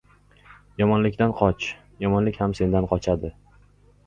• Yomonlikdan qoch; yomonlik ham sendan qochadi.